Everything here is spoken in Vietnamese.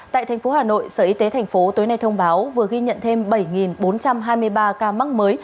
tại thành phố hà nội sở y tế thành phố tối nay thông báo vừa ghi nhận thêm bảy bốn trăm hai mươi ba ca mắc mới